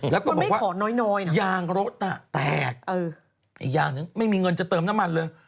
แล้วก็บอกว่ายางรถแตกอีกอย่างหนึ่งไม่มีเงินจะเติมน้ำมันเลย